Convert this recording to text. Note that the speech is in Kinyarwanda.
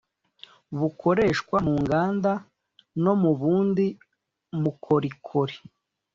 bikoreshwa mu nganda no mu bundi mukorikori